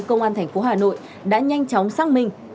công an thành phố hà nội đã nhanh chóng xác minh